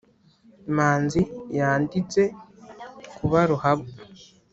manzi yandinze kuba ruhabwa